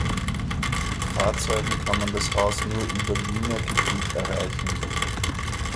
Mit Fahrzeugen kann man das Haus nur über Lüner Gebiet erreichen.